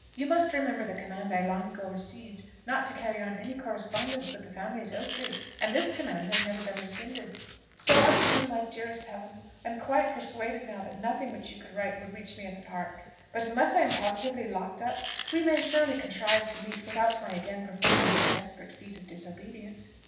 You must remember the command I long ago received not to carry on any correspondence with the family at Oakley; and this command has never been rescinded. So adieu, my dearest Helen! I am quite persuaded now that nothing which you could write would reach me at the Park; but unless I am positively locked up, we may surely contrive to meet without my again performing this desperate feat of disobedience.